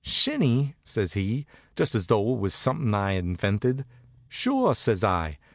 "Shinny?" says he, just as though it was something I'd invented. "Sure," says I.